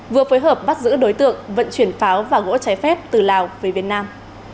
vừa phối hợp bắt giữ đối tượng vận chuyển pháo và gỗ trái phép từ lào về việt nam